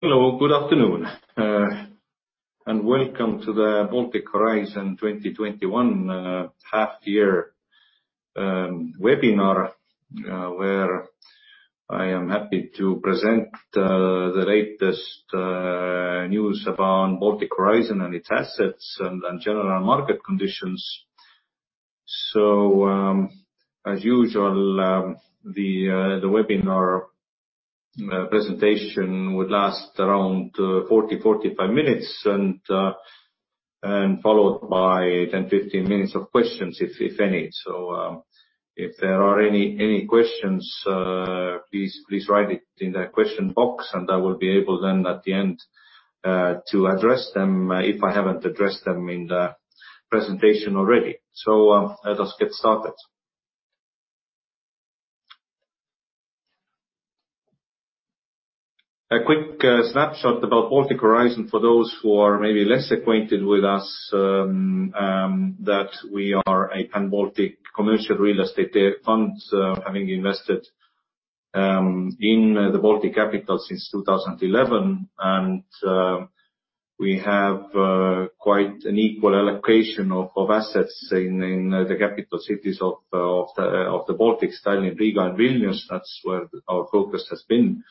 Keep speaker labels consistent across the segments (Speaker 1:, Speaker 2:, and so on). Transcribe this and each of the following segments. Speaker 1: Hello, good afternoon, welcome to the Baltic Horizon 2021 half-year webinar, where I am happy to present the latest news about Baltic Horizon and its assets, general market conditions. As usual the webinar presentation will last around 40-45 minutes and followed by 10-15 minutes of questions, if any. If there are any questions, please write it in the question box and I will be able then at the end to address them if I haven't addressed them in the presentation already. Let us get started. A quick snapshot about Baltic Horizon for those who are maybe less acquainted with us, that we are a pan-Baltic commercial real estate fund, having invested in the Baltic capital since 2011. We have quite an equal allocation of assets in the capital cities of the Baltics, Tallinn, Riga, and Vilnius. That's where our focus has been.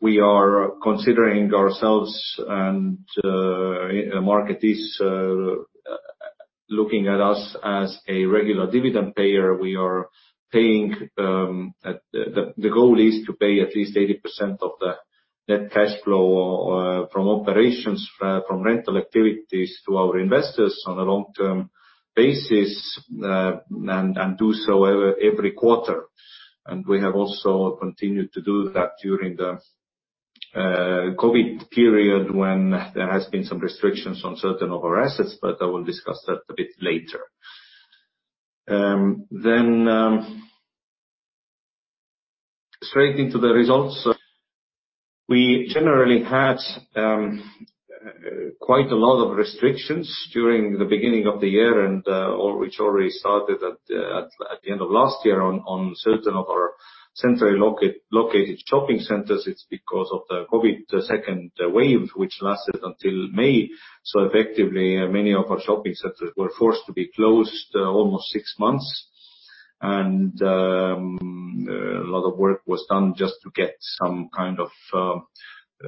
Speaker 1: We are considering ourselves, and the market is looking at us as a regular dividend payer. The goal is to pay at least 80% of the net cash flow from operations, from rental activities to our investors on a long-term basis and do so every quarter. We have also continued to do that during the COVID period when there has been some restrictions on certain of our assets, but I will discuss that a bit later. Straight into the results. We generally had quite a lot of restrictions during the beginning of the year, which already started at the end of last year on certain of our centrally located shopping centers. It's because of the COVID second wave, which lasted until May. Effectively, many of our shopping centers were forced to be closed almost six months. A lot of work was done just to get some kind of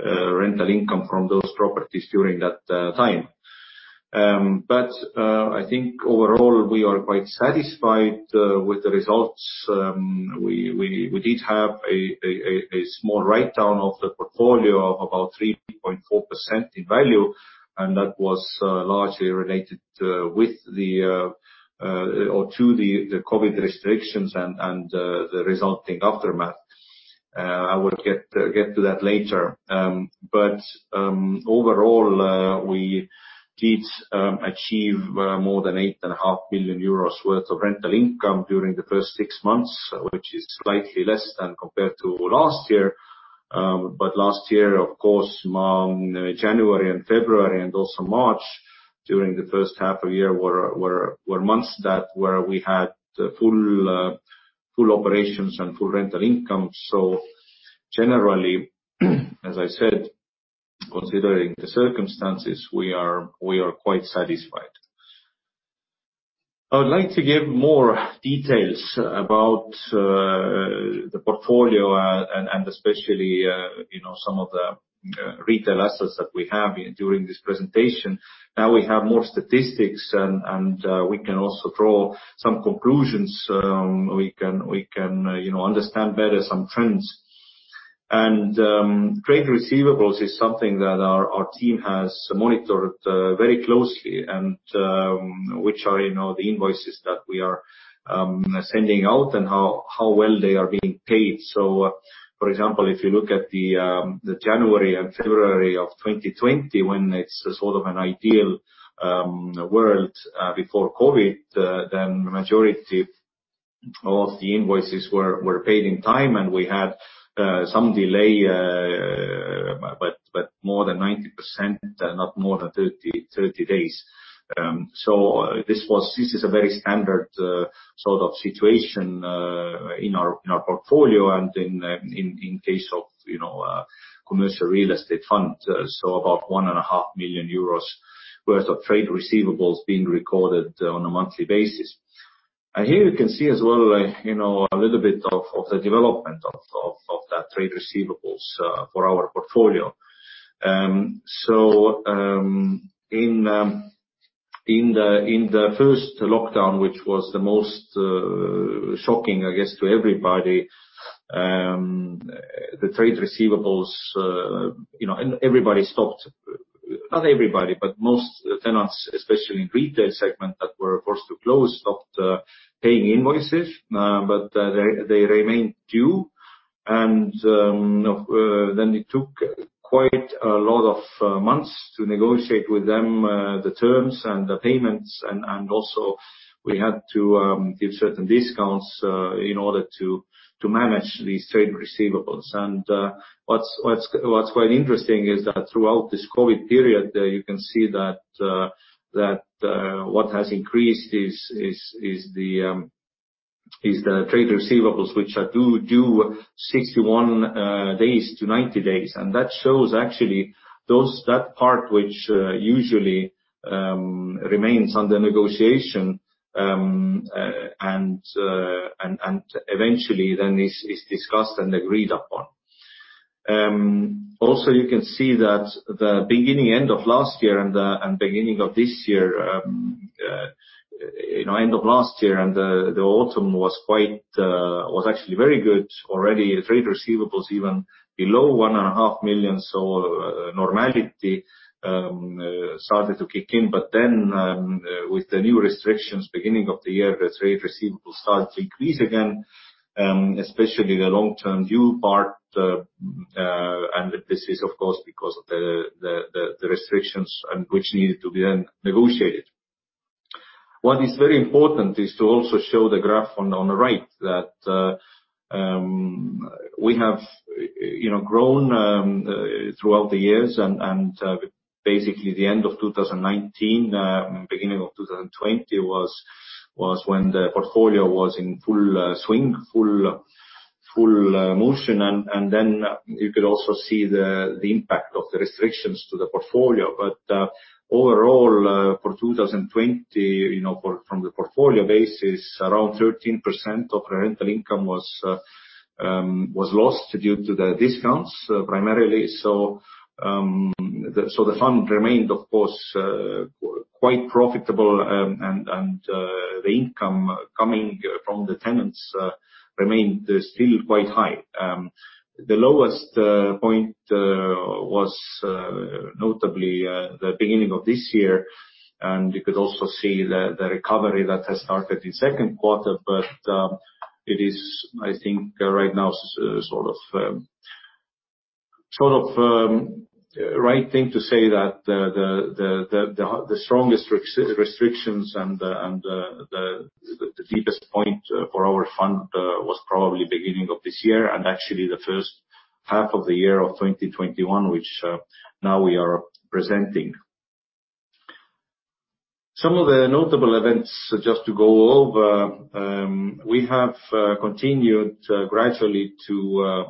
Speaker 1: rental income from those properties during that time. I think overall we are quite satisfied with the results. We did have a small write-down of the portfolio of about 3.4% in value, and that was largely related to the COVID restrictions and the resulting aftermath. I will get to that later. Overall, we did achieve more than 8.5 million euros worth of rental income during the first six months, which is slightly less than compared to last year. Last year, of course, January and February and also March, during the first half of the year were months that we had full operations and full rental income. Generally, as I said, considering the circumstances, we are quite satisfied. I would like to give more details about the portfolio and especially some of the retail assets that we have during this presentation. We have more statistics and we can also draw some conclusions. We can understand better some trends. Trade receivables is something that our team has monitored very closely and which are the invoices that we are sending out and how well they are being paid. For example, if you look at the January and February of 2020 when it's sort of an ideal world before COVID, then majority of the invoices were paid in time and we had some delay but more than 90%, not more than 30 days. This is a very standard sort of situation in our portfolio and in case of a commercial real estate fund. About 1.5 million euros worth of trade receivables being recorded on a monthly basis. Here you can see as well a little bit of the development of that trade receivables for our portfolio. In the first lockdown, which was the most shocking, I guess, to everybody, the trade receivables and everybody stopped, not everybody, but most tenants, especially in retail segment that were forced to close, stopped paying invoices. They remained due, it took quite a lot of months to negotiate with them the terms and the payments and also we had to give certain discounts in order to manage these trade receivables. What's quite interesting is that throughout this COVID period you can see that what has increased is the trade receivables, which are due 61 days to 90 days. That shows actually that part which usually remains under negotiation, and eventually then is discussed and agreed upon. You can see that the beginning end of last year and beginning of this year, end of last year and the autumn was actually very good. Already trade receivables even below 1.5 million. Normality started to kick in. With the new restrictions beginning of the year, the trade receivables started to increase again, especially the long-term due part, and this is of course because of the restrictions and which needed to be then negotiated. What is very important is to also show the graph on the right, that we have grown throughout the years and basically the end of 2019, beginning of 2020 was when the portfolio was in full swing, full motion. Then you could also see the impact of the restrictions to the portfolio. Overall, for 2020 from the portfolio basis, around 13% of rental income was lost due to the discounts, primarily. The fund remained, of course, quite profitable and the income coming from the tenants remained still quite high. The lowest point was notably the beginning of this year, and you could also see the recovery that has started in second quarter. It is, I think right now sort of right thing to say that the strongest restrictions and the deepest point for our fund was probably beginning of this year and actually the first half of the year of 2021, which now we are presenting. Some of the notable events just to go over, we have continued gradually to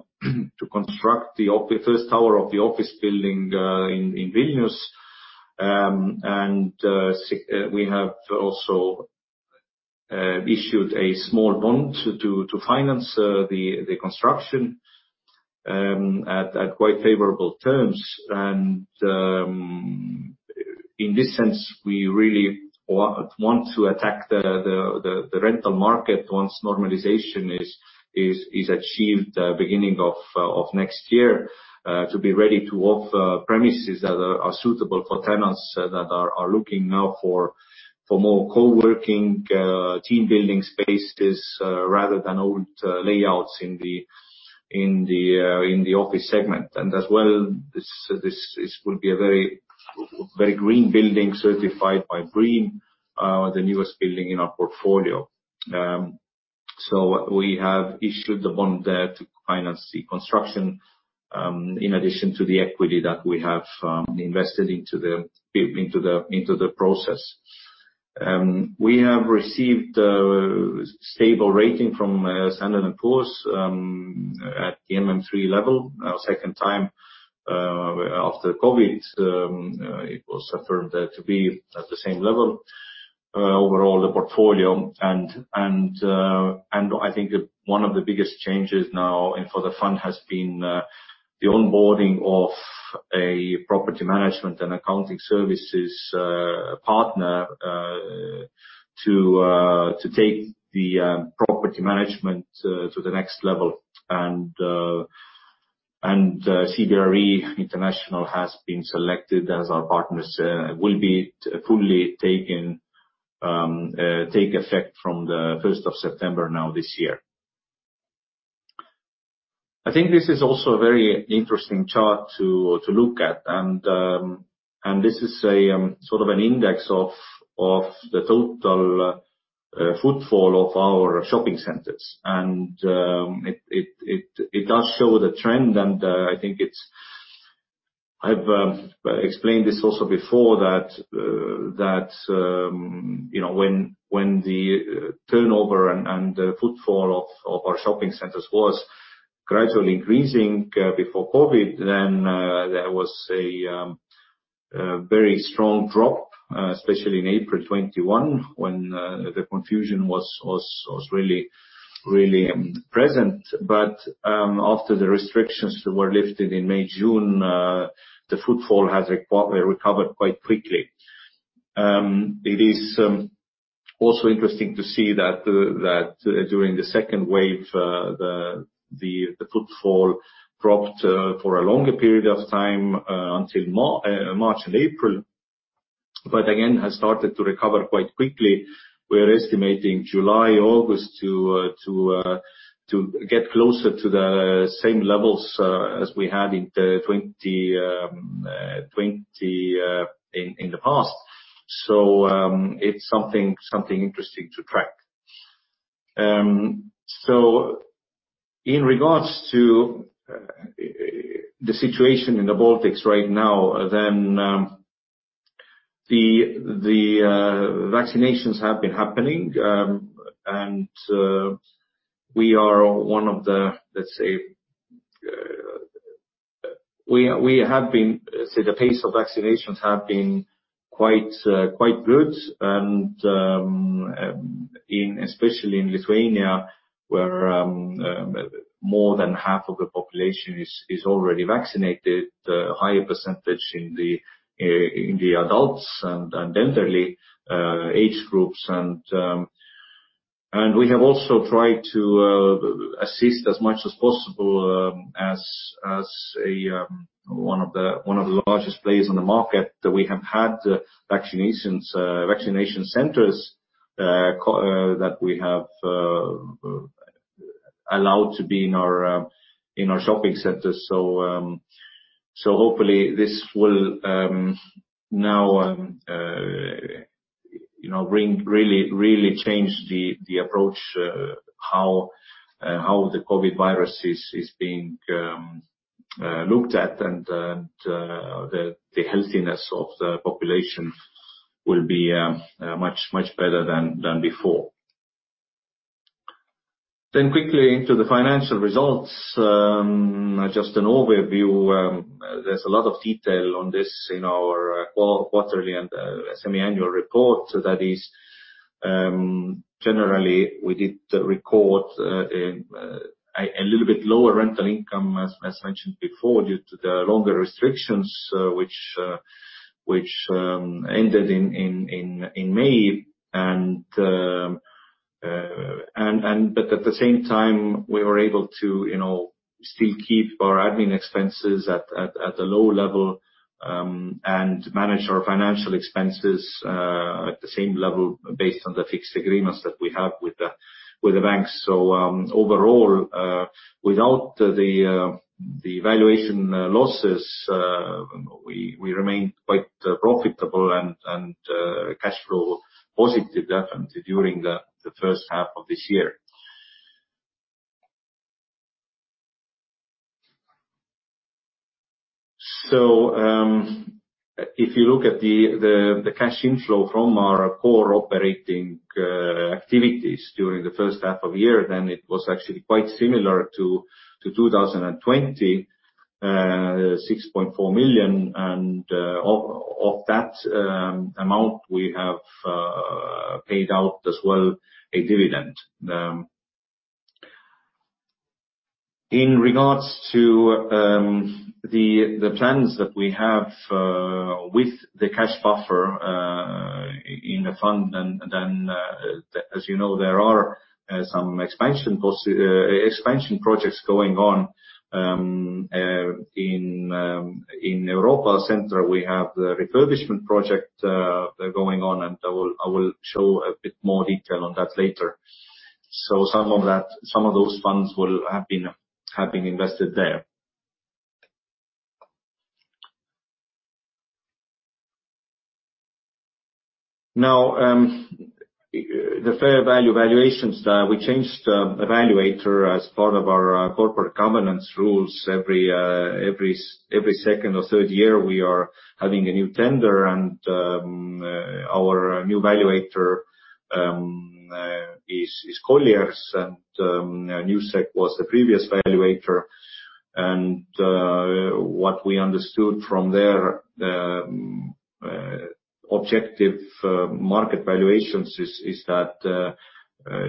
Speaker 1: construct the first tower of the office building in Vilnius. We have also issued a small bond to finance the construction at quite favorable terms. In this sense, we really want to attack the rental market once normalization is achieved beginning of next year to be ready to offer premises that are suitable for tenants that are looking now for more co-working, team building spaces rather than old layouts in the office segment. As well, this will be a very green building certified by BREEAM, the newest building in our portfolio. We have issued the bond there to finance the construction in addition to the equity that we have invested into the process. We have received a stable rating from Standard & Poor's at the MM3 level our second time after COVID. It was affirmed to be at the same level overall the portfolio. I think one of the biggest changes now and for the fund has been the onboarding of a property management and accounting services partner to take the property management to the next level. CBRE International has been selected as our partners will be fully take effect from the 1st of September now this year. I think this is also a very interesting chart to look at, and this is a sort of an index of the total footfall of our shopping centers. It does show the trend, and I've explained this also before that when the turnover and the footfall of our shopping centers was gradually increasing before COVID, then there was a very strong drop, especially in April 2021 when the confusion was really present. After the restrictions were lifted in May, June, the footfall has recovered quite quickly. It is also interesting to see that during the second wave the footfall dropped for a longer period of time until March and April, but again, has started to recover quite quickly. We are estimating July, August to get closer to the same levels as we had in 2020 in the past. It's something interesting to track. In regards to the situation in the Baltics right now, the vaccinations have been happening, and the pace of vaccinations have been quite good, especially in Lithuania, where more than half of the population is already vaccinated. The higher percentage in the adults and elderly age groups. We have also tried to assist as much as possible as one of the largest players in the market, that we have had vaccination centers that we have allowed to be in our shopping centers. Hopefully, this will now really change the approach how the COVID virus is being looked at, and the healthiness of the population will be much better than before. Quickly into the financial results. Just an overview. There is a lot of detail on this in our quarterly and semi-annual report. Generally, we did record a little bit lower rental income as mentioned before, due to the longer restrictions which ended in May. At the same time, we were able to still keep our admin expenses at a low level and manage our financial expenses at the same level based on the fixed agreements that we have with the banks. Overall, without the valuation losses, we remained quite profitable and cash flow positive definitely during the first half of this year. If you look at the cash inflow from our core operating activities during the first half of the year, then it was actually quite similar to 2020, 6.4 million. Of that amount, we have paid out as well a dividend. In regards to the plans that we have with the cash buffer in the fund, then as you know, there are some expansion projects going on. In Europa Center, we have the refurbishment project going on, and I will show a bit more detail on that later. Some of those funds have been invested there. Now, the fair value valuations, we changed evaluator as part of our corporate governance rules. Every second or third year, we are having a new tender and our new valuator is Colliers, and Newsec was the previous valuator. What we understood from their objective market valuations is that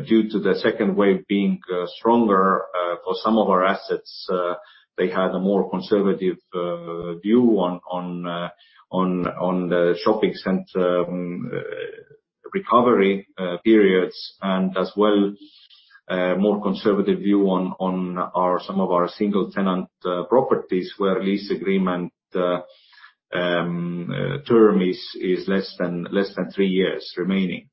Speaker 1: due to the 2nd wave being stronger for some of our assets, they had a more conservative view on the shopping center recovery periods, and as well a more conservative view on some of our single-tenant properties where lease agreement term is less than three years remaining.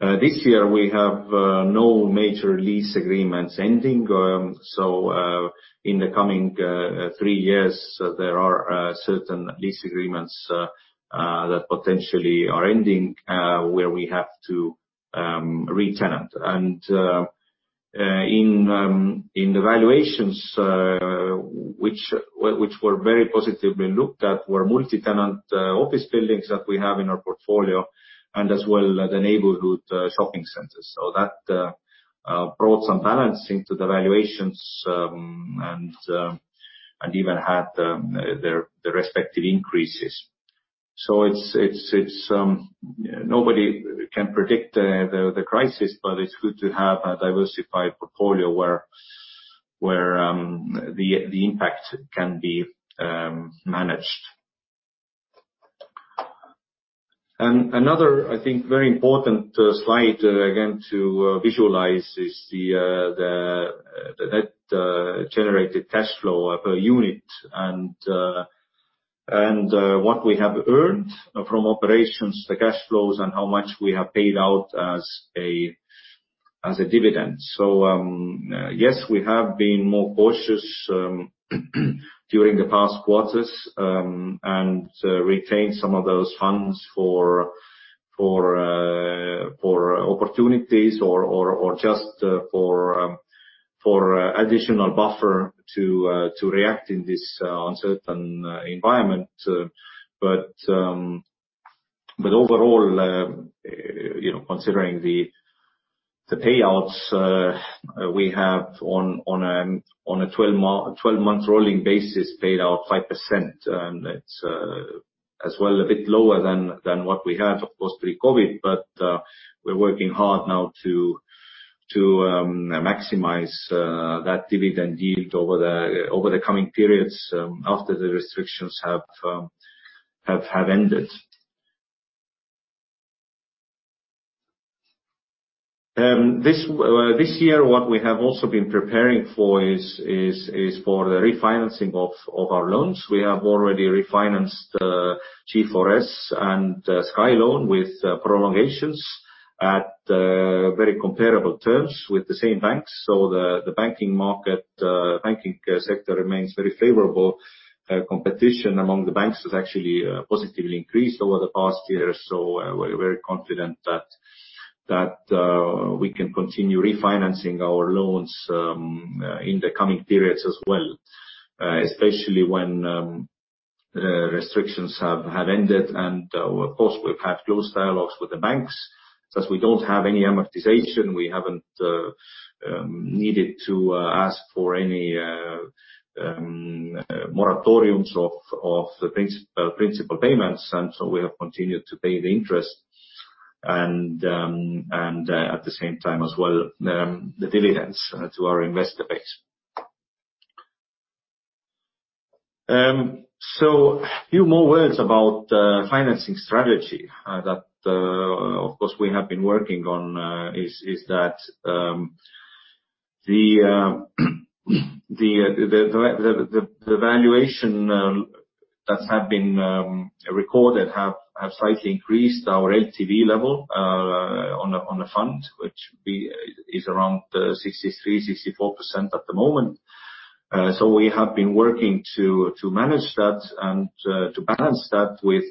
Speaker 1: This year, we have no major lease agreements ending. In the coming three years, there are certain lease agreements that potentially are ending where we have to re-tenant. In the valuations which were very positively looked at were multi-tenant office buildings that we have in our portfolio and as well the neighborhood shopping centers. That brought some balancing to the valuations and even had their respective increases. Nobody can predict the crisis, but it's good to have a diversified portfolio where the impact can be managed. Another, I think, very important slide, again, to visualize is the net generated cash flow per unit and what we have earned from operations, the cash flows, and how much we have paid out as a dividend. Yes, we have been more cautious during the past quarters and retained some of those funds for opportunities or just for additional buffer to react in this uncertain environment. Overall considering the payouts we have on a 12-month rolling basis paid out 5%. That's as well a bit lower than what we had, of course, pre-COVID, but we're working hard now to maximize that dividend yield over the coming periods after the restrictions have ended. This year, what we have also been preparing for is for the refinancing of our loans. We have already refinanced G4S and SKY Loan with prolongations at very comparable terms with the same banks. The banking sector remains very favorable. Competition among the banks has actually positively increased over the past year, so we're very confident that we can continue refinancing our loans in the coming periods as well, especially when restrictions have ended. Of course, we've had close dialogues with the banks. Since we don't have any amortization, we haven't needed to ask for any moratoriums of the principal payments, and so we have continued to pay the interest and at the same time as well the dividends to our investor base. A few more words about financing strategy that, of course, we have been working on is that the valuation that have been recorded have slightly increased our LTV level on the fund, which is around 63%-64% at the moment. We have been working to manage that and to balance that with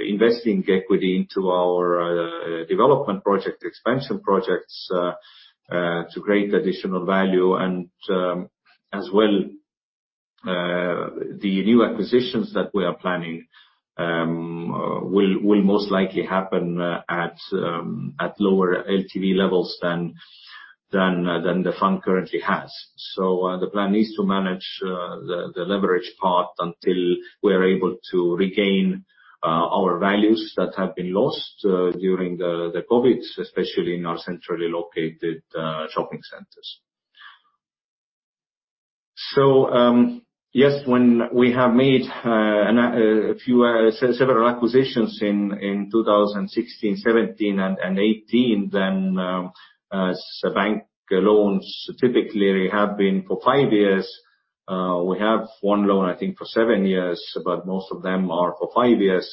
Speaker 1: investing equity into our development project, expansion projects to create additional value. As well the new acquisitions that we are planning will most likely happen at lower LTV levels than the fund currently has. The plan is to manage the leverage part until we're able to regain our values that have been lost during the COVID, especially in our centrally located shopping centers. Yes, when we have made several acquisitions in 2016, 2017, and 2018, then as bank loans typically have been for five years. We have one loan, I think, for seven years, but most of them are for five years.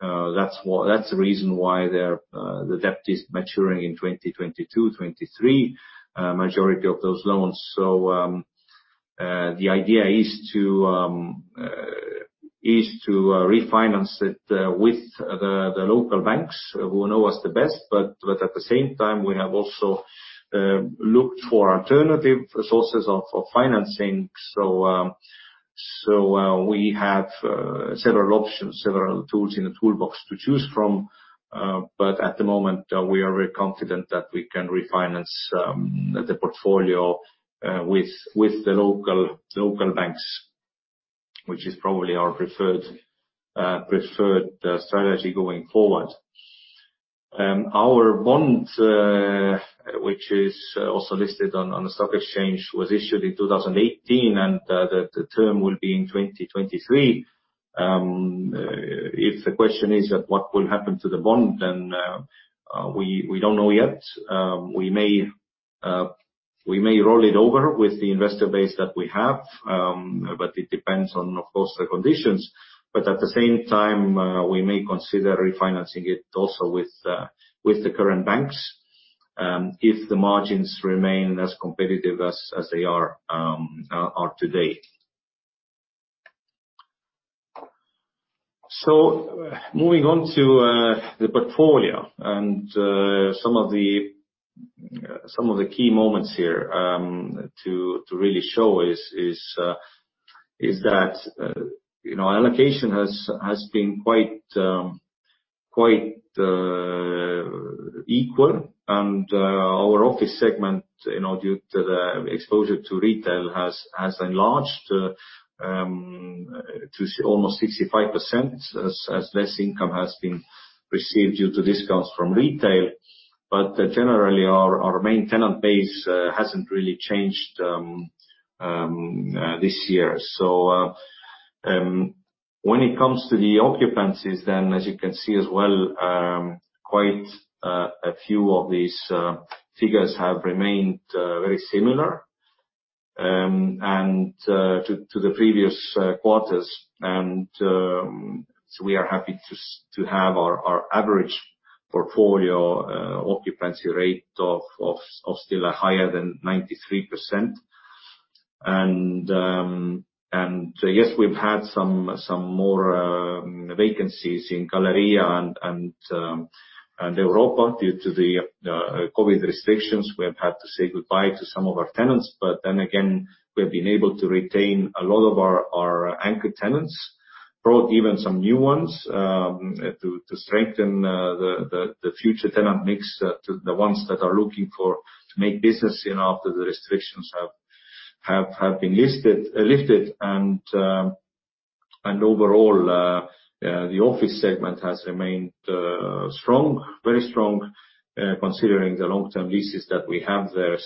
Speaker 1: That's the reason why the debt is maturing in 2022, 2023, majority of those loans. The idea is to refinance it with the local banks who know us the best. At the same time, we have also looked for alternative sources of financing. We have several options, several tools in the toolbox to choose from. At the moment, we are very confident that we can refinance the portfolio with the local banks, which is probably our preferred strategy going forward. Our bond which is also listed on the stock exchange was issued in 2018, and the term will be in 2023. If the question is that what will happen to the bond, we don't know yet. We may roll it over with the investor base that we have but it depends on, of course, the conditions. At the same time, we may consider refinancing it also with the current banks if the margins remain as competitive as they are today. Moving on to the portfolio and some of the key moments here to really show is that allocation has been quite equal and our office segment due to the exposure to retail has enlarged to almost 65% as less income has been received due to discounts from retail. Generally our main tenant base hasn't really changed this year. When it comes to the occupancies then as you can see as well quite a few of these figures have remained very similar to the previous quarters. We are happy to have our average portfolio occupancy rate of still higher than 93%. Yes, we've had some more vacancies in Galerija and Europa due to the COVID restrictions. We have had to say goodbye to some of our tenants, we've been able to retain a lot of our anchor tenants, brought even some new ones to strengthen the future tenant mix, the ones that are looking for, to make business after the restrictions have been lifted. The office segment has remained very strong considering the long-term leases that we have there.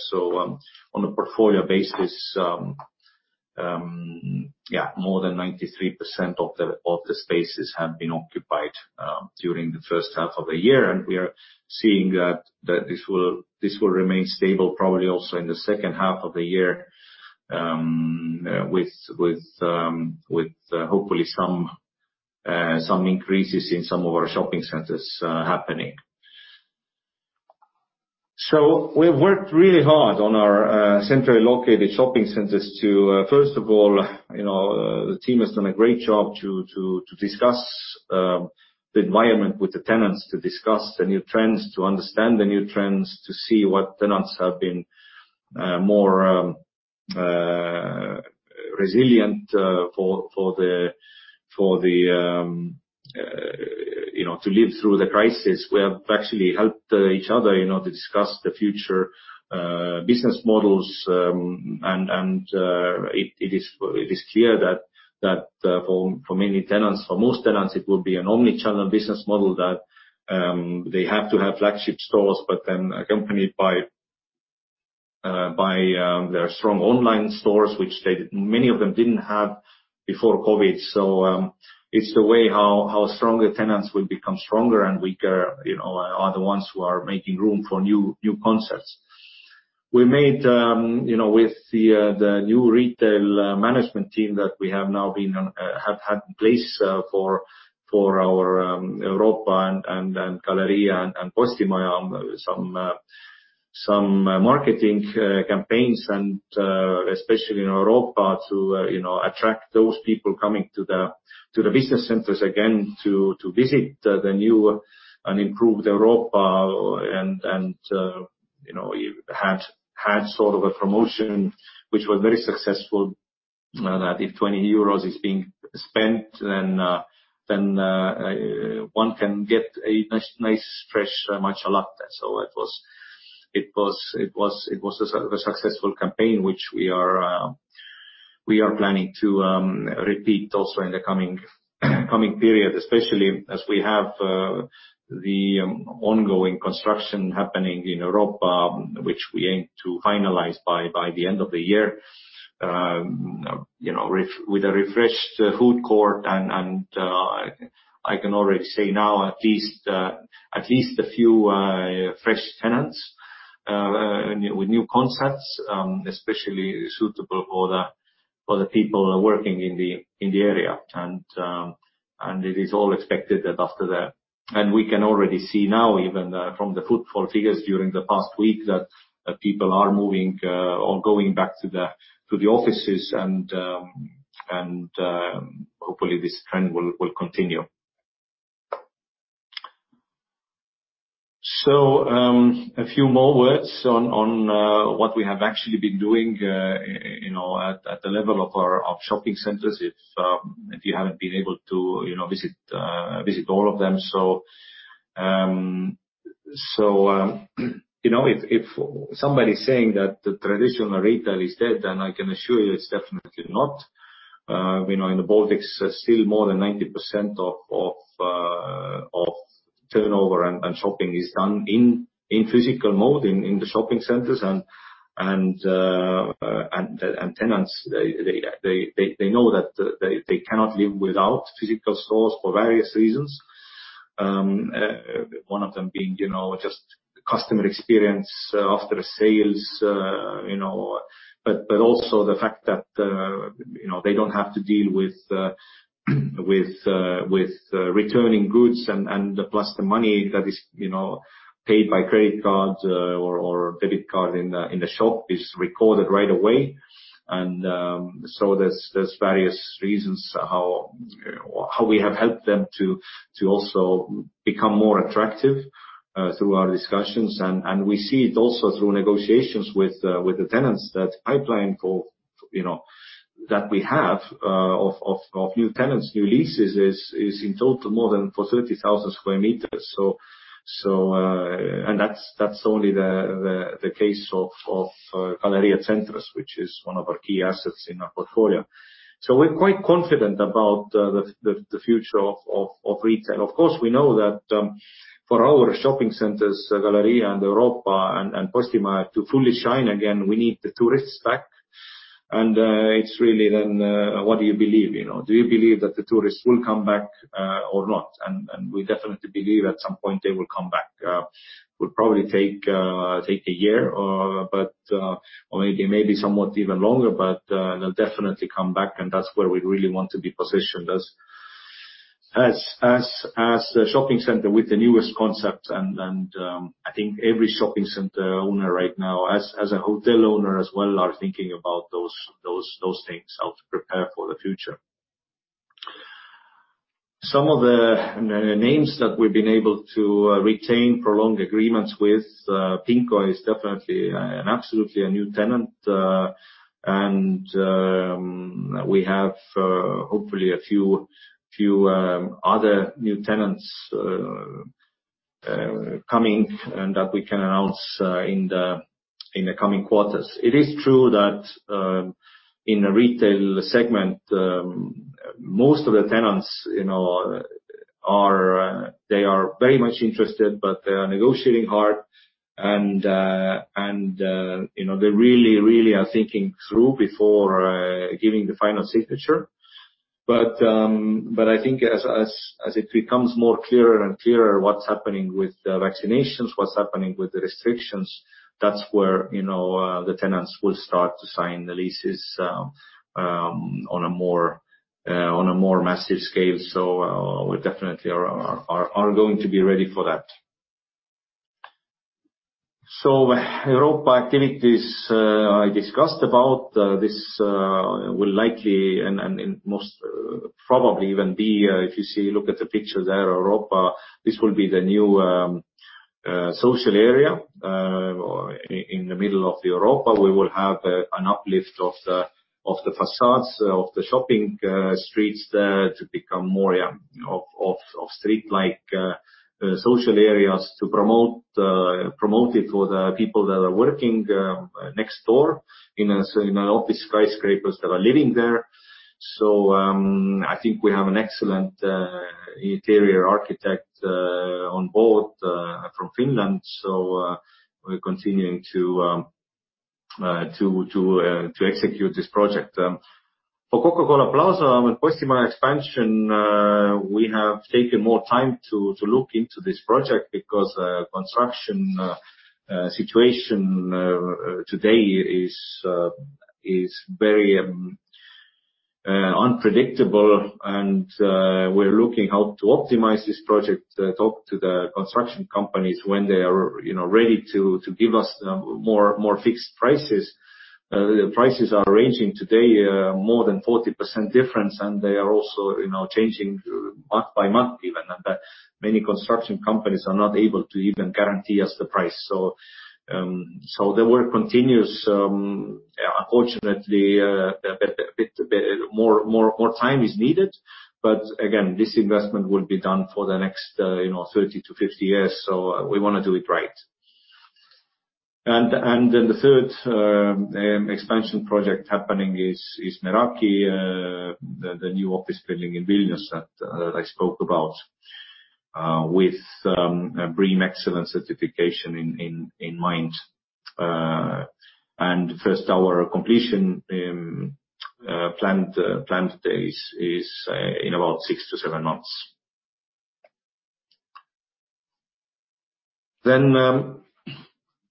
Speaker 1: More than 93% of the spaces have been occupied during the first half of the year, and we are seeing that this will remain stable probably also in the second half of the year with hopefully some increases in some of our shopping centers happening. We've worked really hard on our centrally located shopping centers to first of all, the team has done a great job to discuss the environment with the tenants, to discuss the new trends, to understand the new trends, to see what tenants have been more resilient to live through the crisis. We have actually helped each other to discuss the future business models, and it is clear that for most tenants, it will be an omni-channel business model that they have to have flagship stores, but then accompanied by their strong online stores, which many of them didn't have before COVID. It's the way how stronger tenants will become stronger and weaker are the ones who are making room for new concepts. We made with the new retail management team that we have now had in place for our Europa and Galerija and Postimaja some marketing campaigns and especially in Europa to attract those people coming to the business centers again to visit the new and improved Europa. We had sort of a promotion which was very successful, that if 20 euros is being spent, then one can get a nice fresh matcha latte. It was a successful campaign, which we are planning to repeat also in the coming period, especially as we have the ongoing construction happening in Europa, which we aim to finalize by the end of the year with a refreshed food court and I can already say now at least a few fresh tenants with new concepts especially suitable for the people working in the area. We can already see now even from the footfall figures during the past week that people are moving or going back to the offices and hopefully this trend will continue. A few more words on what we have actually been doing at the level of shopping centers if you haven't been able to visit all of them. If somebody is saying that the traditional retail is dead, then I can assure you it's definitely not. In the Baltics, still more than 90% of turnover and shopping is done in physical mode in the shopping centers. Tenants, they know that they cannot live without physical stores for various reasons. One of them being just customer experience after sales but also the fact that they don't have to deal with returning goods plus the money that is paid by credit card or debit card in the shop is recorded right away. There's various reasons how we have helped them to also become more attractive through our discussions. We see it also through negotiations with the tenants that pipeline that we have of new tenants, new leases is in total more than for 30,000 sq m. That's only the case of Galerija Centrs, which is one of our key assets in our portfolio. We're quite confident about the future of retail. Of course, we know that for our shopping centers, Galerija and Europa and Postimaja to fully shine again, we need the tourists back. It's really then what do you believe? Do you believe that the tourists will come back or not? We definitely believe at some point they will come back. Will probably take a year or maybe somewhat even longer, but they'll definitely come back and that's where we really want to be positioned as the shopping center with the newest concept, and I think every shopping center owner right now, as a hotel owner as well, are thinking about those things, how to prepare for the future. Some of the names that we've been able to retain prolonged agreements with, Pinko is definitely and absolutely a new tenant. We have hopefully a few other new tenants coming, and that we can announce in the coming quarters. It is true that in the retail segment, most of the tenants are very much interested, but they are negotiating hard. They really are thinking through before giving the final signature. I think as it becomes more clearer and clearer what's happening with vaccinations, what's happening with the restrictions, that's where the tenants will start to sign the leases on a more massive scale. We definitely are going to be ready for that. Europa activities I discussed about. This will likely and most probably even be, if you look at the picture there, Europa, this will be the new social area. In the middle of Europa, we will have an uplift of the facades, of the shopping streets there to become more of street-like social areas to promote it for the people that are working next door in office skyscrapers that are living there. I think we have an excellent interior architect on board from Finland. We're continuing to execute this project. For Coca-Cola Plaza and Postimaja expansion, we have taken more time to look into this project because construction situation today is very unpredictable and we're looking how to optimize this project, talk to the construction companies when they are ready to give us more fixed prices. Prices are ranging today more than 40% difference, they are also changing month by month even, and many construction companies are not able to even guarantee us the price. The work continues. Unfortunately, more time is needed. Again, this investment will be done for the next 30-50 years, we want to do it right. The third expansion project happening is Meraki, the new office building in Vilnius that I spoke about with BREEAM excellent certification in mind. First, our completion planned date is in about 6-7 months.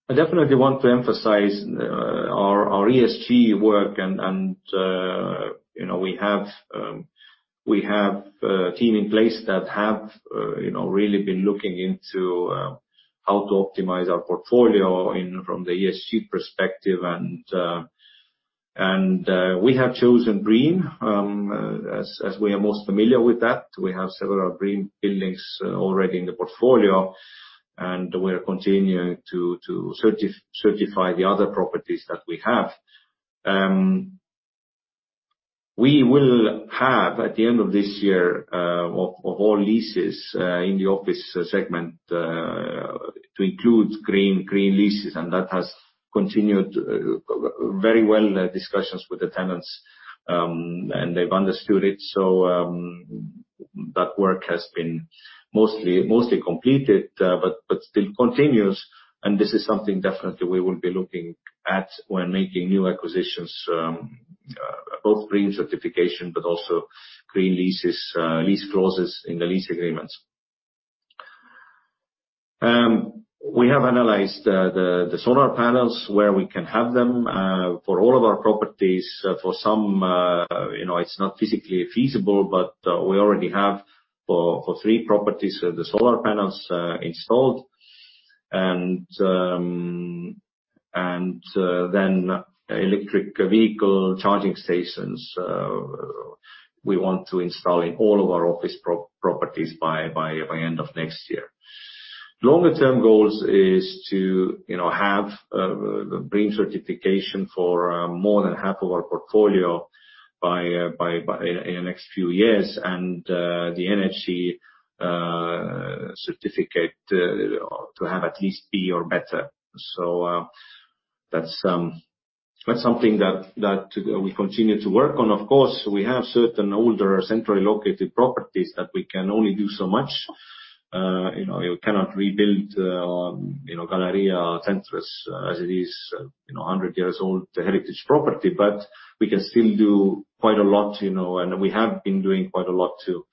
Speaker 1: I definitely want to emphasize our ESG work, and we have a team in place that have really been looking into how to optimize our portfolio from the ESG perspective. We have chosen BREEAM as we are most familiar with that. We have several BREEAM buildings already in the portfolio, and we're continuing to certify the other properties that we have. We will have, at the end of this year, of all leases in the office segment to include green leases, and that has continued very well in discussions with the tenants. They've understood it, so that work has been mostly completed but still continues. This is something definitely we will be looking at when making new acquisitions, both BREEAM certification, but also green lease clauses in the lease agreements. We have analyzed the solar panels, where we can have them for all of our properties. For some it's not physically feasible, we already have for three properties the solar panels installed. Electric vehicle charging stations we want to install in all of our office properties by end of next year. Longer term goals is to have BREEAM certification for more than half of our portfolio in the next few years and the energy certificate to have at least B or better. That's something that we continue to work on. Of course, we have certain older centrally located properties that we can only do so much. We cannot rebuild Galerija Centrs as it is 100 years old, a heritage property. We can still do quite a lot, and we have been doing quite a lot to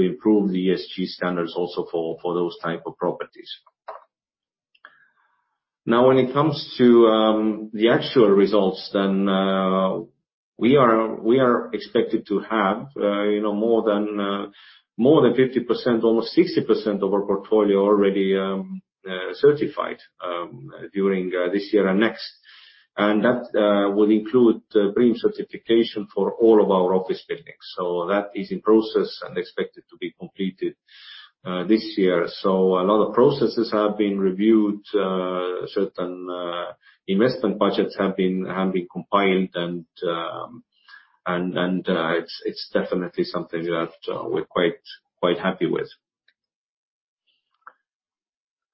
Speaker 1: improve the ESG standards also for those type of properties. When it comes to the actual results, we are expected to have more than 50%, almost 60% of our portfolio already certified during this year and next. That will include BREEAM certification for all of our office buildings. That is in process and expected to be completed this year. A lot of processes have been reviewed, certain investment budgets have been compiled, and it's definitely something that we're quite happy with.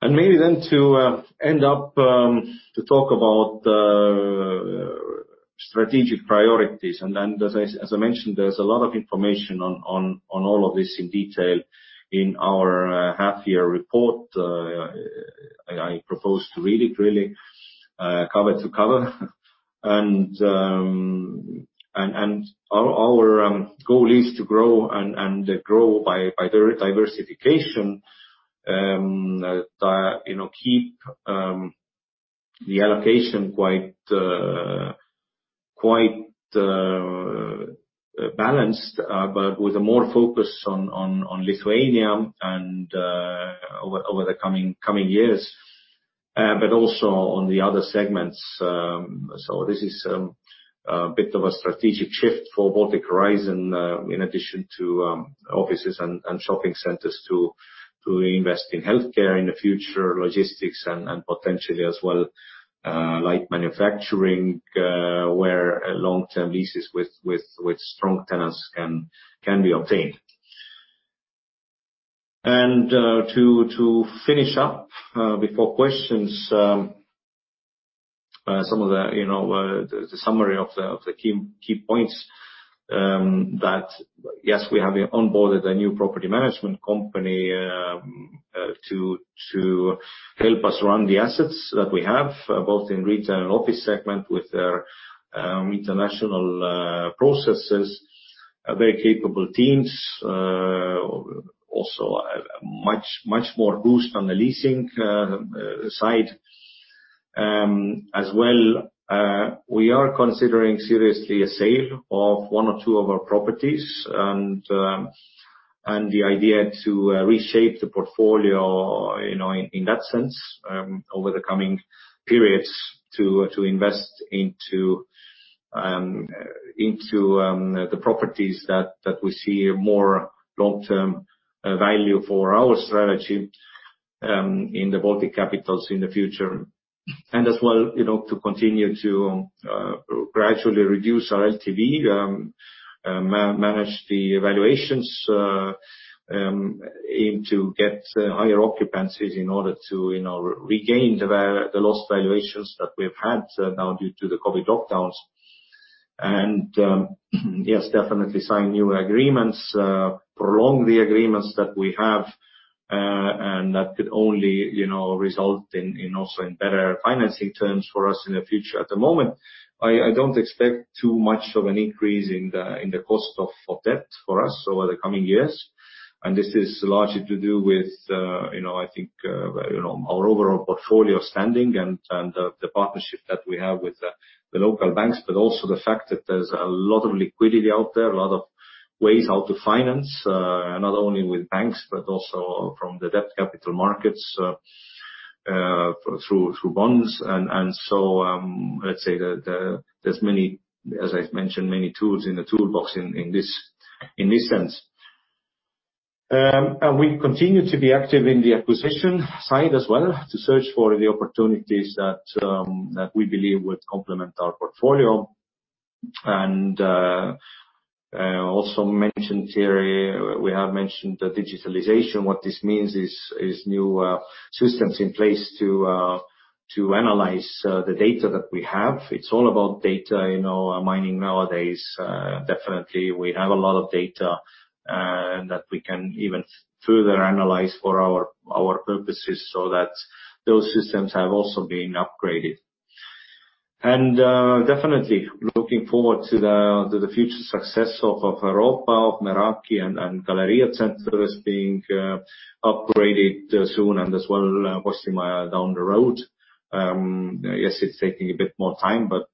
Speaker 1: Maybe to end up to talk about strategic priorities. As I mentioned, there's a lot of information on all of this in detail in our half-year report. I propose to read it really cover to cover. Our goal is to grow and grow by diversification, keep the allocation quite balanced but with more focus on Lithuania over the coming years, but also on the other segments. This is a bit of a strategic shift for Baltic Horizon in addition to offices and shopping centers to invest in healthcare in the future, logistics and potentially as well light manufacturing where long-term leases with strong tenants can be obtained. To finish up before questions the summary of the key points that yes, we have onboarded a new property management company to help us run the assets that we have both in retail and office segment with their international processes, very capable teams, also much more boost on the leasing side. As well we are considering seriously a sale of one or two of our properties and the idea to reshape the portfolio in that sense over the coming periods to invest into the properties that we see more long-term value for our strategy in the Baltic capitals in the future. As well to continue to gradually reduce our LTV, manage the valuations to get higher occupancies in order to regain the lost valuations that we've had now due to the COVID lockdowns. Yes, definitely sign new agreements, prolong the agreements that we have and that could only result in also in better financing terms for us in the future. At the moment, I don't expect too much of an increase in the cost of debt for us over the coming years. This is largely to do with I think our overall portfolio standing and the partnership that we have with the local banks, but also the fact that there's a lot of liquidity out there, a lot of ways how to finance, not only with banks but also from the debt capital markets through bonds. Let's say there's many, as I've mentioned, many tools in the toolbox in this sense. We continue to be active in the acquisition side as well to search for the opportunities that we believe would complement our portfolio. Also mentioned here, we have mentioned the digitalization. What this means is new systems in place to analyze the data that we have. It's all about data mining nowadays. Definitely we have a lot of data that we can even further analyze for our purposes so that those systems have also been upgraded. Definitely looking forward to the future success of Europa, of Meraki and Galerija Centrs being upgraded soon and as well Postimaja down the road. It's taking a bit more time, but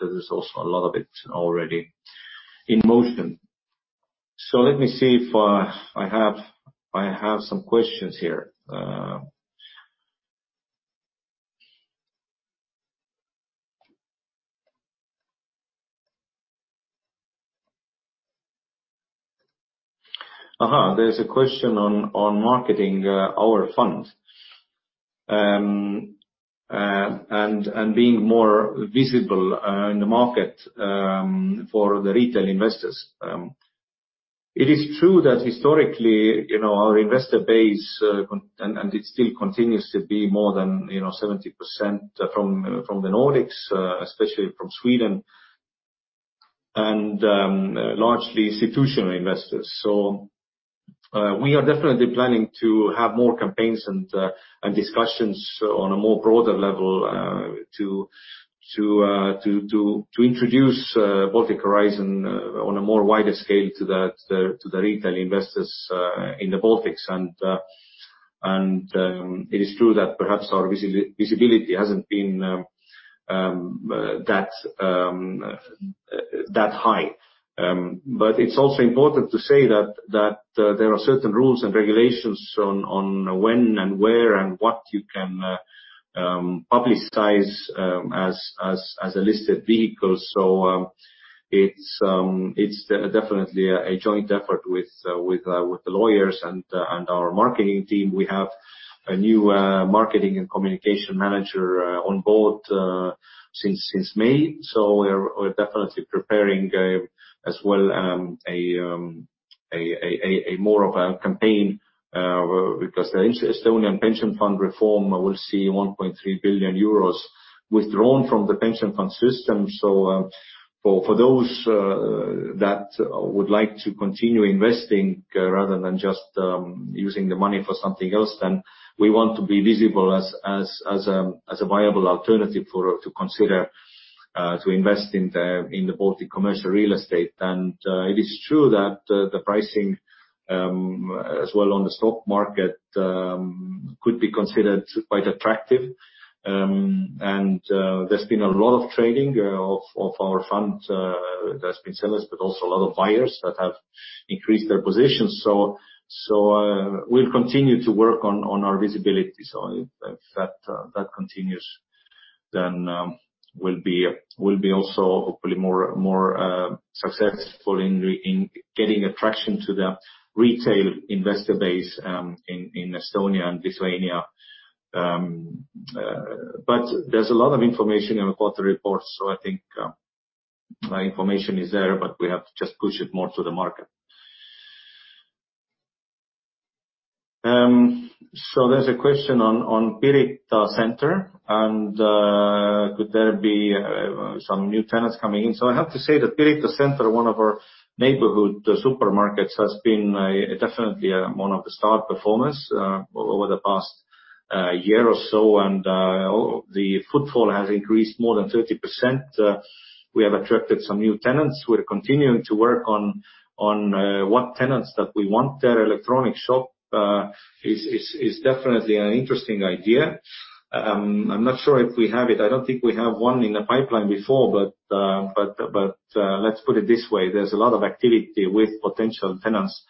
Speaker 1: there's also a lot of it already in motion. Let me see if I have some questions here. There's a question on marketing our fund and being more visible in the market for the retail investors. It is true that historically our investor base and it still continues to be more than 70% from the Nordics, especially from Sweden and largely institutional investors. We are definitely planning to have more campaigns and discussions on a more broader level to introduce Baltic Horizon on a more wider scale to the retail investors in the Baltics. It is true that perhaps our visibility hasn't been that high. It's also important to say that there are certain rules and regulations on when, and where, and what you can publicize as a listed vehicle. It's definitely a joint effort with the lawyers and our marketing team. We have a new marketing and communication manager on board since May, so we're definitely preparing as well a more of a campaign. The Estonian pension fund reform will see 1.3 billion euros withdrawn from the pension fund system. For those that would like to continue investing rather than just using the money for something else, then we want to be visible as a viable alternative to consider to invest in the Baltic commercial real estate. It is true that the pricing as well on the stock market could be considered quite attractive. There's been a lot of trading of our fund. There's been sellers, but also a lot of buyers that have increased their positions. We'll continue to work on our visibility. If that continues, then we'll be also hopefully more successful in getting attraction to the retail investor base in Estonia and Lithuania. There's a lot of information in the quarter reports, so I think my information is there, but we have to just push it more to the market. There's a question on Pirita Center and could there be some new tenants coming in. I have to say that Pirita Center, one of our neighborhood supermarkets, has been definitely one of the star performers over the past year or so. The footfall has increased more than 30%. We have attracted some new tenants. We're continuing to work on what tenants that we want there. Electronic shop is definitely an interesting idea. I'm not sure if we have it. I don't think we have one in the pipeline before, but let's put it this way, there's a lot of activity with potential tenants,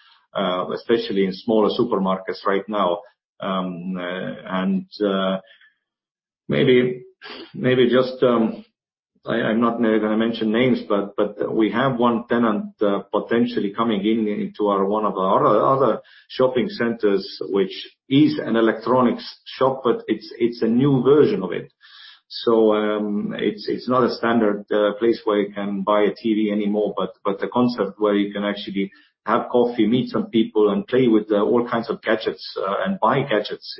Speaker 1: especially in smaller supermarkets right now. Maybe just I'm not going to mention names, but we have one tenant potentially coming in into one of our other shopping centers, which is an electronics shop, but it's a new version of it. It's not a standard place where you can buy a TV anymore, but a concept where you can actually have coffee, meet some people, and play with all kinds of gadgets, and buy gadgets,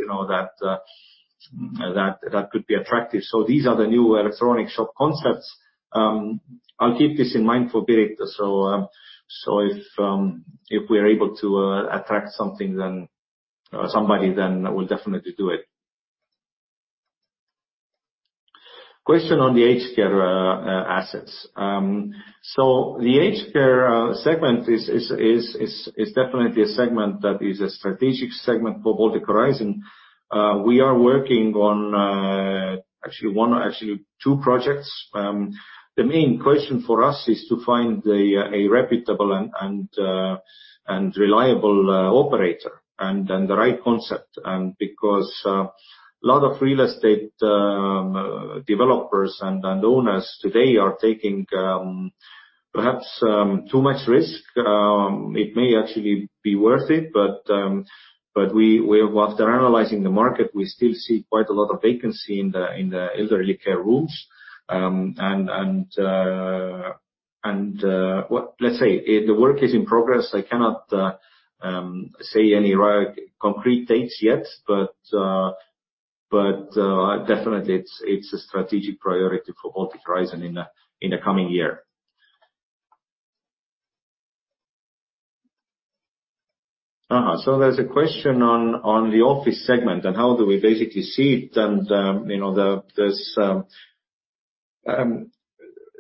Speaker 1: that could be attractive. These are the new electronic shop concepts. I'll keep this in mind for Pirita. If we're able to attract somebody, then we'll definitely do it. Question on the aged care assets. The aged care segment is definitely a segment that is a strategic segment for Baltic Horizon. We are working on actually two projects. The main question for us is to find a reputable and reliable operator and the right concept. Because a lot of real estate developers and owners today are taking perhaps too much risk. It may actually be worth it, but after analyzing the market, we still see quite a lot of vacancy in the elderly care rooms. Let's say the work is in progress. I cannot say any concrete dates yet. Definitely it's a strategic priority for Baltic Horizon in the coming year. There's a question on the office segment and how do we basically see it.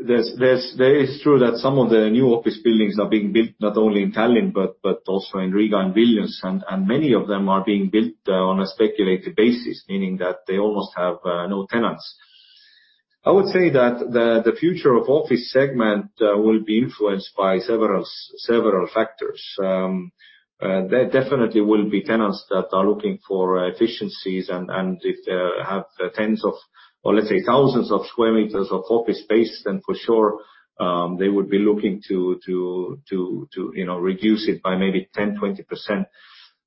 Speaker 1: It's true that some of the new office buildings are being built not only in Tallinn, but also in Riga and Vilnius, and many of them are being built on a speculative basis, meaning that they almost have no tenants. I would say that the future of office segment will be influenced by several factors. There definitely will be tenants that are looking for efficiencies and if they have 10s of, or let's say 1,000s of sq m of office space, then for sure, they would be looking to reduce it by maybe 10%, 20%.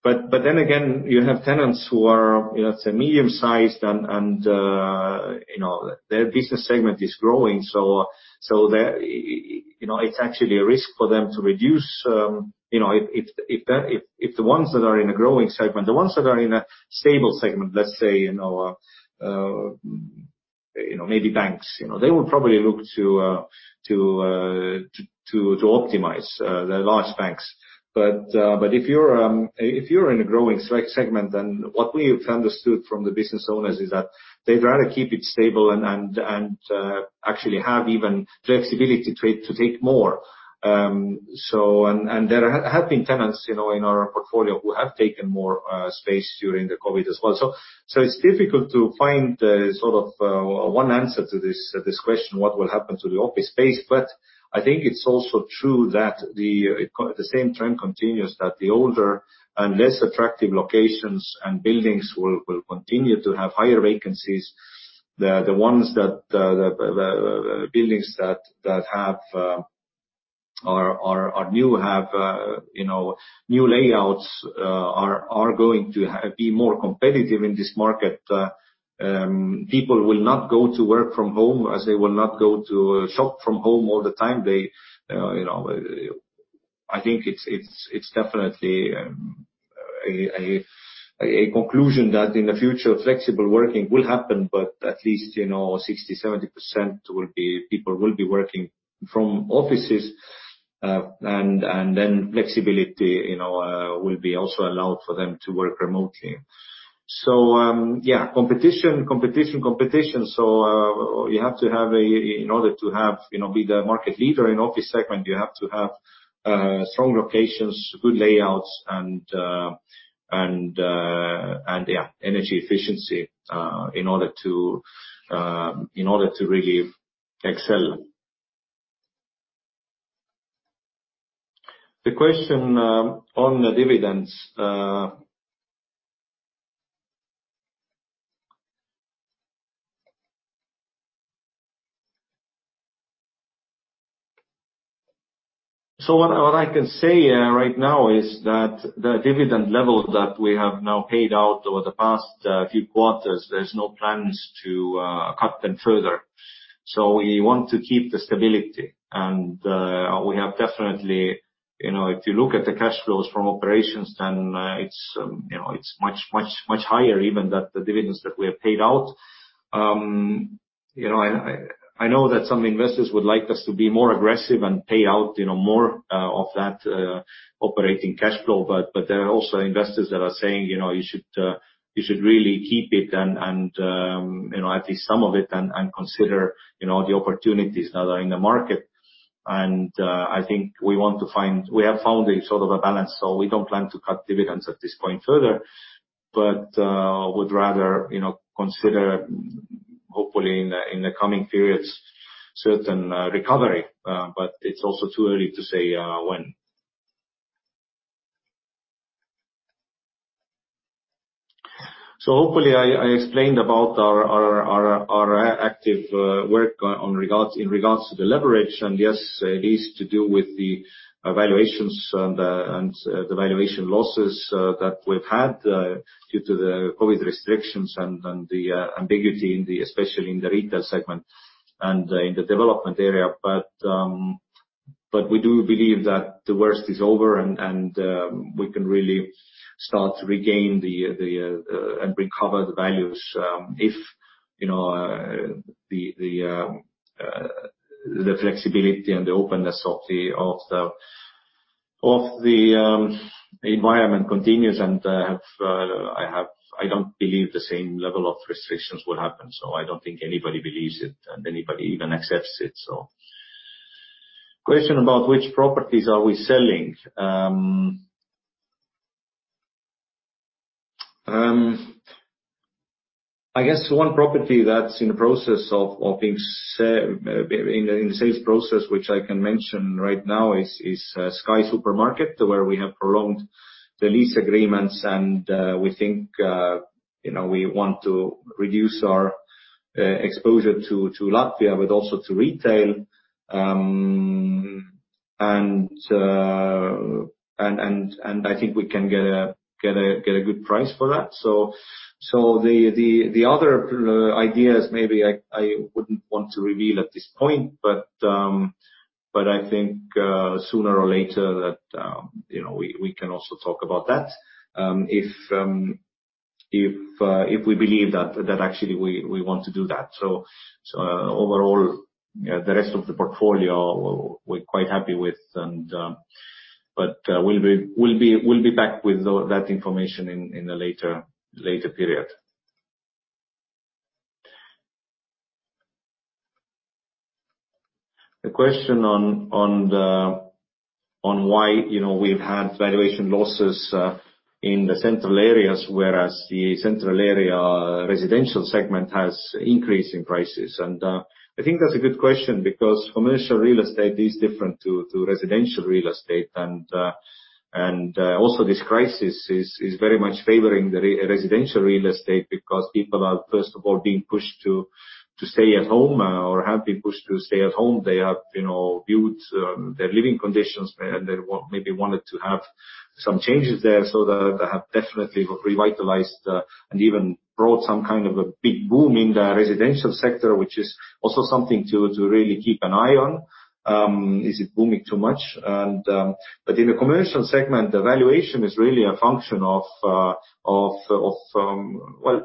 Speaker 1: You have tenants who are medium-sized and their business segment is growing. It's actually a risk for them to reduce if the ones that are in a growing segment. The ones that are in a stable segment, let's say maybe banks, they will probably look to optimize the large banks. If you're in a growing segment, then what we have understood from the business owners is that they'd rather keep it stable and actually have even flexibility to take more. There have been tenants in our portfolio who have taken more space during the COVID as well. It's difficult to find one answer to this question, what will happen to the office space. I think it's also true that the same trend continues, that the older and less attractive locations and buildings will continue to have higher vacancies. The buildings that are new have new layouts are going to be more competitive in this market. People will not go to work from home as they will not go to shop from home all the time. I think it's definitely a conclusion that in the future, flexible working will happen, but at least 60%-70% people will be working from offices. Flexibility will be also allowed for them to work remotely. Competition. In order to be the market leader in office segment, you have to have strong locations, good layouts and energy efficiency in order to really excel. The question on the dividends. What I can say right now is that the dividend level that we have now paid out over the past few quarters, there's no plans to cut them further. We want to keep the stability. If you look at the cash flows from operations, then it's much higher even than the dividends that we have paid out. I know that some investors would like us to be more aggressive and pay out more of that operating cash flow. There are also investors that are saying, "You should really keep it and at least some of it, and consider the opportunities now that are in the market." I think we have found a sort of a balance, so we don't plan to cut dividends at this point further. Would rather consider hopefully in the coming periods, certain recovery. It's also too early to say when. Hopefully I explained about our active work in regards to the leverage. Yes, it is to do with the valuations and the valuation losses that we've had due to the COVID restrictions and the ambiguity especially in the retail segment and in the development area. We do believe that the worst is over and we can really start to regain and recover the values if the flexibility and the openness of the environment continues. I don't believe the same level of restrictions would happen. I don't think anybody believes it and anybody even accepts it. Question about which properties are we selling. I guess one property that's in the sales process which I can mention right now is SKY Supermarket, where we have prolonged the lease agreements. We think we want to reduce our exposure to Latvia, but also to retail. I think we can get a good price for that. The other ideas maybe I wouldn't want to reveal at this point, but I think sooner or later that we can also talk about that if we believe that actually we want to do that. Overall, the rest of the portfolio we're quite happy with. We'll be back with that information in a later period. The question on why we've had valuation losses in the central areas, whereas the central area residential segment has increase in prices. I think that's a good question because commercial real estate is different to residential real estate. Also, this crisis is very much favoring the residential real estate because people are first of all being pushed to stay at home or have been pushed to stay at home. They have viewed their living conditions and they maybe wanted to have some changes there. That have definitely revitalized and even brought some kind of a big boom in the residential sector, which is also something to really keep an eye on. Is it booming too much? In the commercial segment, the valuation is really a function of. Well,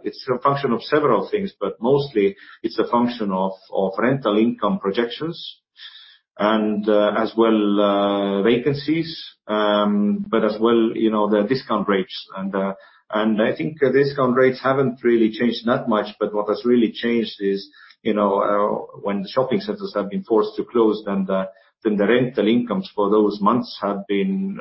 Speaker 1: it's a function of several things, but mostly it's a function of rental income projections. As well, vacancies, but as well, the discount rates. I think the discount rates haven't really changed that much, but what has really changed is when the shopping centers have been forced to close, then the rental incomes for those months have been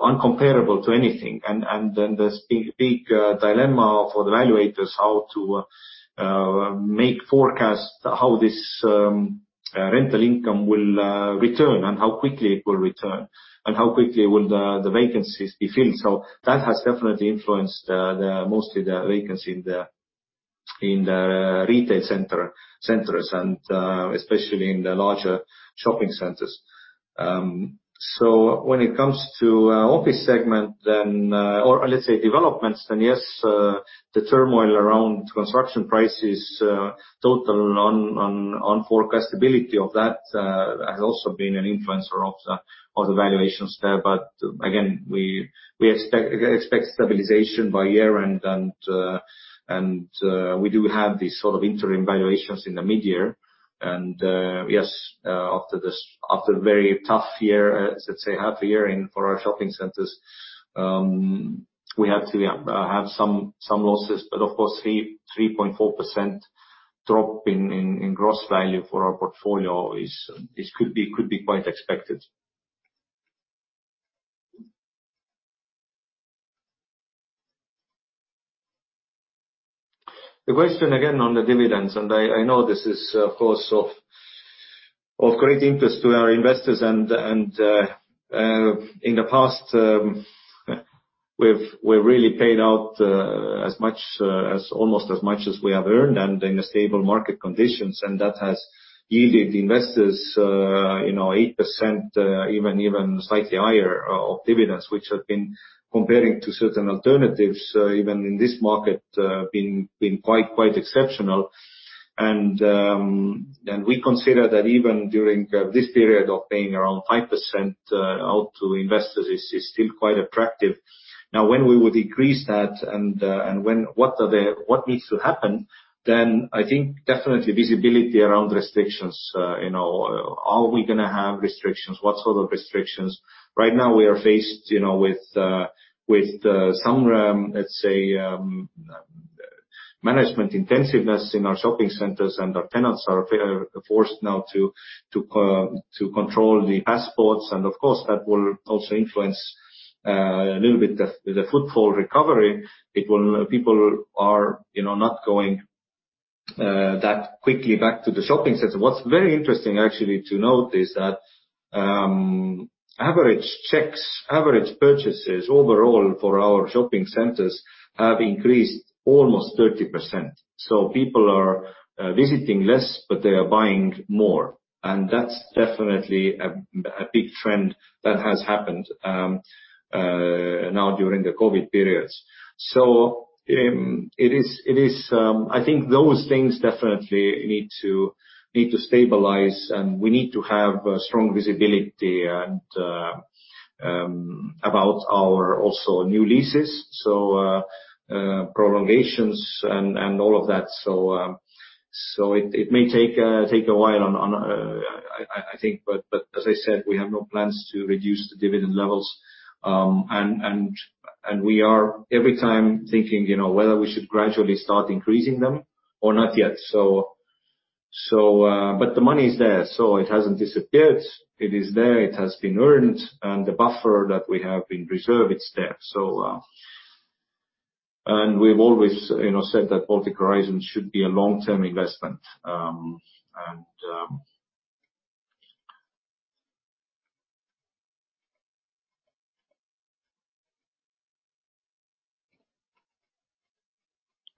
Speaker 1: incomparable to anything. Then there's big dilemma for the valuators how to make forecasts, how this rental income will return, and how quickly it will return, and how quickly will the vacancies be filled. That has definitely influenced mostly the vacancy in the retail centers and especially in the larger shopping centers. When it comes to office segment or let's say developments, yes, the turmoil around construction prices, total on forecastability of that, has also been an influencer of the valuations there. Again, we expect stabilization by year-end, we do have these sort of interim valuations in the mid-year. Yes, after very tough year, let's say half year for our shopping centers, we had to have some losses. Of course, 3.4% drop in gross value for our portfolio could be quite expected. The question again on the dividends, I know this is of course of great interest to our investors. In the past, we've really paid out almost as much as we have earned and in the stable market conditions. That has yielded investors 8%, even slightly higher of dividends, which have been comparing to certain alternatives, even in this market, been quite exceptional. We consider that even during this period of paying around 5% out to investors is still quite attractive. Now when we would decrease that and what needs to happen then, I think definitely visibility around restrictions. Are we going to have restrictions? What sort of restrictions? Right now we are faced with some, let's say, management intensiveness in our shopping centers and our tenants are forced now to control the passports and of course that will also influence a little bit the footfall recovery. People are not going that quickly back to the shopping center. What's very interesting actually to note is that average checks, average purchases overall for our shopping centers have increased almost 30%. People are visiting less, but they are buying more. That's definitely a big trend that has happened now during the COVID periods. I think those things definitely need to stabilize, and we need to have strong visibility about our also new leases, so prolongations and all of that. It may take a while on, I think, but as I said, we have no plans to reduce the dividend levels. We are every time thinking whether we should gradually start increasing them or not yet. The money is there, so it hasn't disappeared. It is there, it has been earned, and the buffer that we have been reserved, it's there. We've always said that Baltic Horizon should be a long-term investment.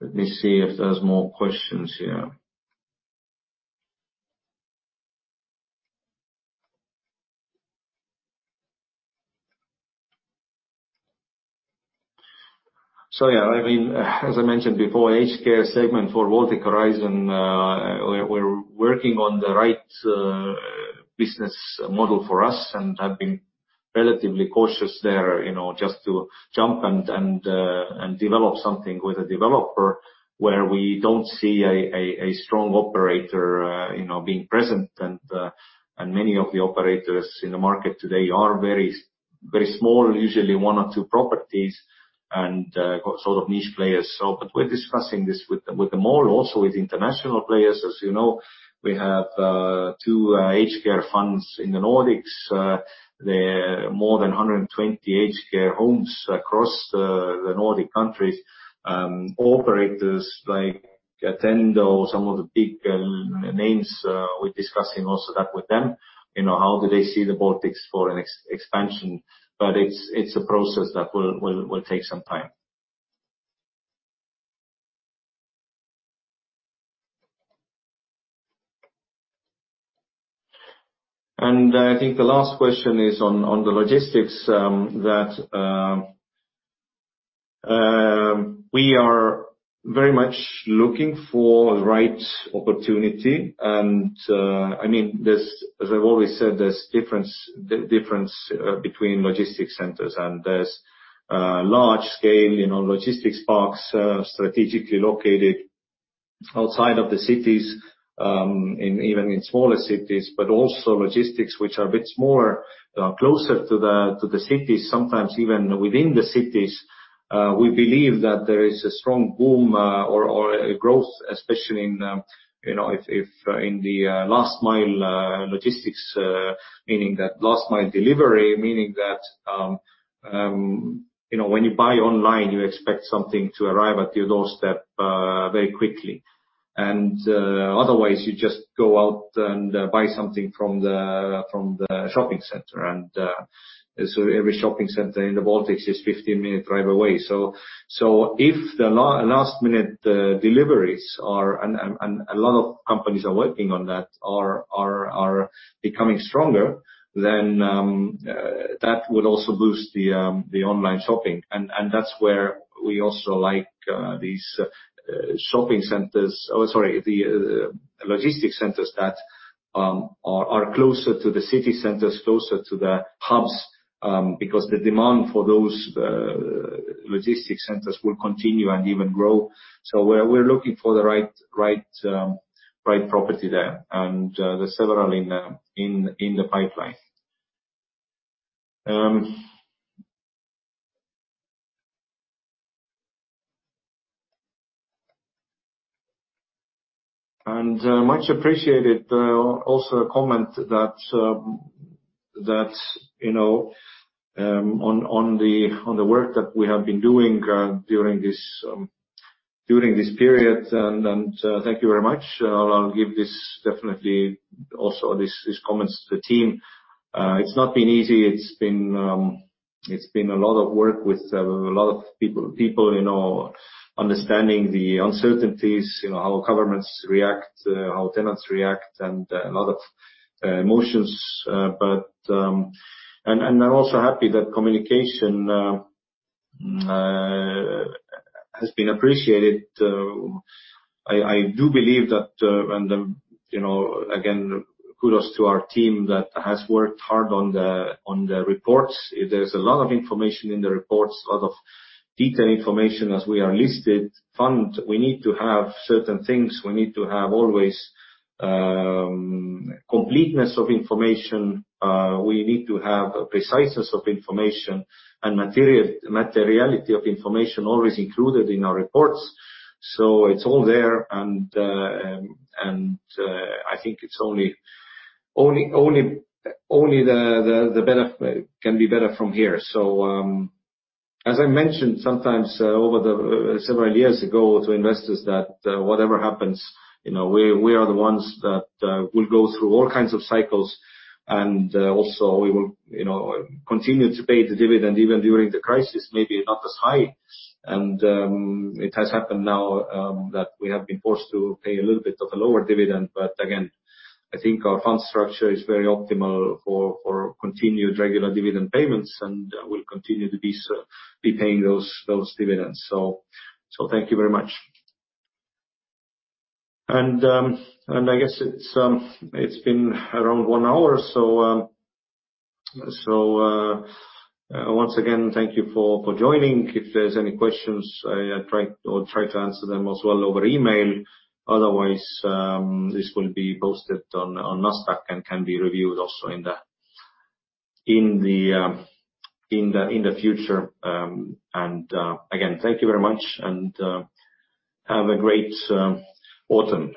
Speaker 1: Let me see if there's more questions here. Yeah, as I mentioned before, aged care segment for Baltic Horizon, we're working on the right business model for us and have been relatively cautious there, just to jump and develop something with a developer where we don't see a strong operator being present. Many of the operators in the market today are very small, usually one or two properties and sort of niche players. We're discussing this with them all, also with international players. As you know, we have two aged care funds in the Nordics. They're more than 120 aged care homes across the Nordic countries. Operators like Attendo, some of the big names, we're discussing also that with them, how do they see the Baltics for an expansion. It's a process that will take some time. I think the last question is on the logistics, that we are very much looking for the right opportunity. As I've always said, there's difference between logistics centers and there's large scale logistics parks strategically located outside of the cities, even in smaller cities, but also logistics, which are a bit more closer to the cities, sometimes even within the cities, we believe that there is a strong boom or growth, especially in the last mile logistics, last mile delivery, meaning that when you buy online, you expect something to arrive at your doorstep very quickly. Otherwise, you just go out and buy something from the shopping center. Every shopping center in the Baltics is 15-minute drive away. If the last-minute deliveries are, and a lot of companies are working on that, are becoming stronger, then that would also boost the online shopping. That's where we also like these logistics centers that are closer to the city centers, closer to the hubs, because the demand for those logistics centers will continue and even grow. We're looking for the right property there. There's several in the pipeline. Much appreciated also a comment on the work that we have been doing during this period, and thank you very much. I'll give this definitely also these comments to the team. It's not been easy. It's been a lot of work with a lot of people. Understanding the uncertainties, how governments react, how tenants react, and a lot of emotions. I'm also happy that communication has been appreciated. I do believe that and, again, kudos to our team that has worked hard on the reports. There's a lot of information in the reports, a lot of detailed information as we are listed fund. We need to have certain things. We need to have always completeness of information. We need to have preciseness of information and materiality of information always included in our reports. It's all there, and I think it's only the benefit can be better from here. As I mentioned sometimes over the several years ago to investors that whatever happens, we are the ones that will go through all kinds of cycles and also we will continue to pay the dividend even during the crisis, maybe not as high. It has happened now that we have been forced to pay a little bit of a lower dividend. Again, I think our fund structure is very optimal for continued regular dividend payments and will continue to be paying those dividends. Thank you very much. I guess it's been around one hour. Once again, thank you for joining. If there's any questions, I'll try to answer them as well over email. Otherwise, this will be posted on Nasdaq and can be reviewed also in the future. Again, thank you very much, and have a great autumn